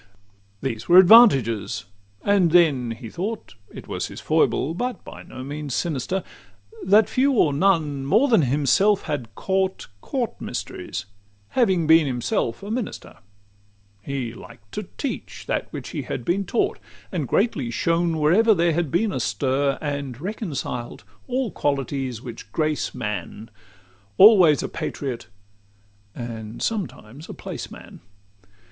XXI These were advantages: and then he thought It was his foible, but by no means sinister That few or none more than himself had caught Court mysteries, having been himself a minister: He liked to teach that which he had been taught, And greatly shone whenever there had been a stir; And reconciled all qualities which grace man, Always a patriot, and sometimes a placeman.